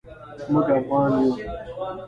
موږ یو افغان یو